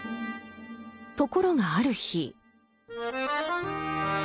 ところがある日。